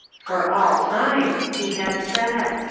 "For all time/' he had said.